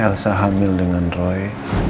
elsa hamil dengan roy